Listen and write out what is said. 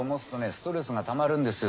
ストレスがたまるんですよ